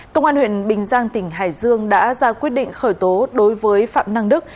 công an huyện bình giang tỉnh hải dương đã ra quyết định khởi tố đối với phạm năng đức